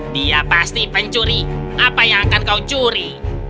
dia pasti pencuri apa yang akan kau curi